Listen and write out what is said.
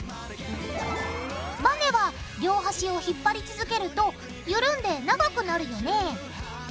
バネは両端を引っぱり続けると緩んで長くなるよね。